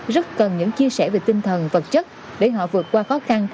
rất cần những chia sẻ về tinh thần vật chất để họ vượt qua khó khăn